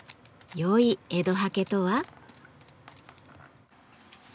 よい江戸刷毛とは？